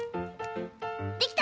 できた！